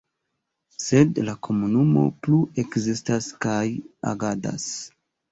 Sed la komunumo plu ekzistas kaj agadas.